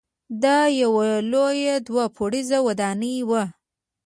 دا یوه لویه دوه پوړیزه ودانۍ وه.